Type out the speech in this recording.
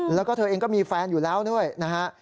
แล้วก็เธอเองก็มีแฟนอยู่แล้วด้วยนะฮะ